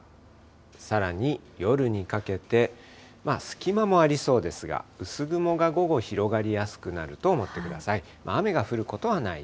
さらに夜にかけて、隙間もありそうですが、薄雲が午後広がりやすくなると思ってください。